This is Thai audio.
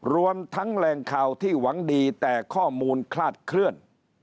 รวมทั้งแหล่งข่าวที่หวังดีแต่ข้อมูลคลาดเคลื่อน